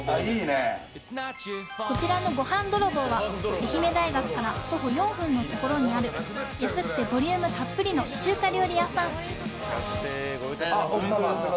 こちらのごはん泥棒は愛媛大学から徒歩４分のところにある安くてボリュームたっぷりの中華料理屋さん。